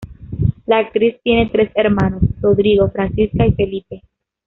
La actriz tiene tres hermanos; Rodrigo, Francisca y Felipe.